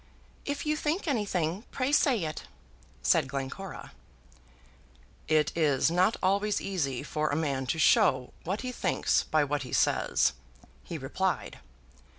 "If you think anything, pray say it," said Glencora. "It is not always easy for a man to show what he thinks by what he says," he replied.